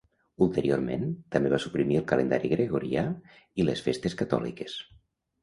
Ulteriorment, també va suprimir el calendari gregorià i les festes catòliques.